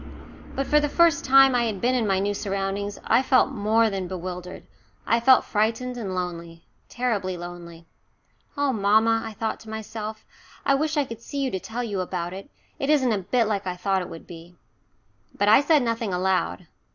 But for the first time since I had been in my new surroundings I felt more than bewildered I felt frightened and lonely, terribly lonely. "Oh, mamma," I thought to myself, "I wish I could see you to tell you about it. It isn't a bit like what I thought it would be." But I said nothing aloud.